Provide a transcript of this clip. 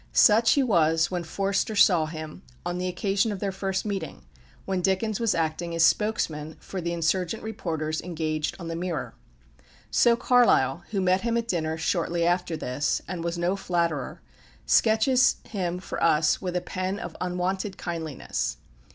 Such he was when Forster saw him, on the occasion of their first meeting, when Dickens was acting as spokesman for the insurgent reporters engaged on the Mirror. So Carlyle, who met him at dinner shortly after this, and was no flatterer, sketches him for us with a pen of unwonted kindliness.